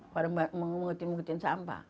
pada mengikutin ngikutin sampah